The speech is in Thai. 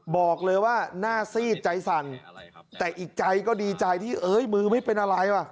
บอกเลยว่าหน้าซีดใจสั่นแต่อีกใจก็ดีใจที่เอ้ยมือไม่เป็นอะไรว่ะ